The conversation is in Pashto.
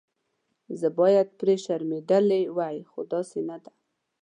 باید زه پرې شرمېدلې وای خو داسې نه ده.